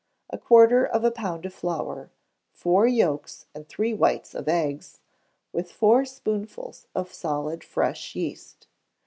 A quarter of a pound of flour; four yolks and three whites of eggs, with four spoonfuls of solid fresh yeast.